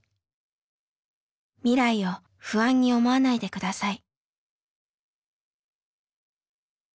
未来を不安に思わないで下さい」。